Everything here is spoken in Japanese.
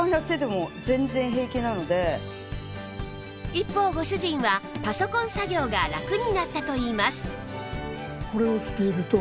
一方ご主人はパソコン作業がラクになったといいます